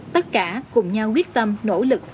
tất cả cùng nhau quyết tâm nỗ lực